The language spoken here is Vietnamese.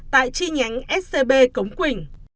tại chi nhánh scb cống quỳnh